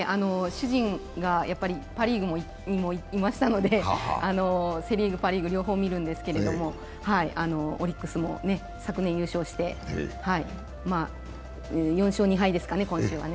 主人がパ・リーグもいましたのでセ・リーグ、パ・リーグ両方見るんですけれどもオリックスも昨年優勝して、４勝２敗ですかね、今週は。